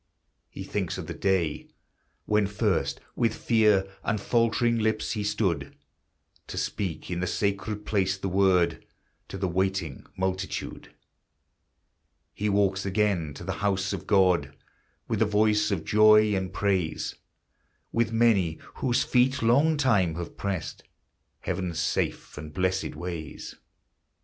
He thinks of the day when first, with fear And faltering lips, he stood To speak in the sacred place the Word To the waiting multitude; He walks again to the house of God With the voice of joy and praise, With many whose feet long time have pressed Heaven's safe and blessèd ways.